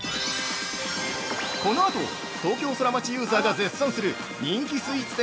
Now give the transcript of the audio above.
このあと、東京ソラマチユーザーが絶賛する人気スイーツ店